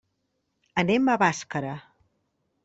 Anem a Bàscara.